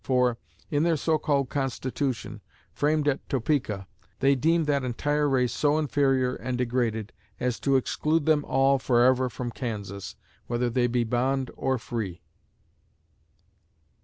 For, in their so called Constitution, framed at Topeka, they deem that entire race so inferior and degraded as to exclude them all forever from Kansas, whether they be bond or free.